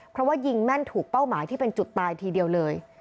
เพราะว่ายิงแม่นถูกเป้าหมายที่เป็นจุดตายทีเดียวเลย